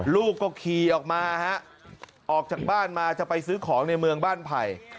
ลูกก็ขี่ออกมาฮะออกจากบ้านมาจะไปซื้อของในเมืองบ้านไผ่